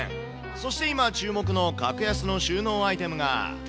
そして今、注目の格安の収納アイテムが。